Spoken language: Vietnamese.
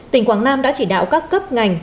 tỉnh quảng nam đã chỉ đạo các cấp ngành